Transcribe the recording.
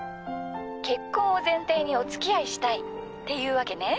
結婚を前提にお付き合いしたいっていうわけネ。